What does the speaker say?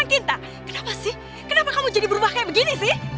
ngapain kamu cari naura disini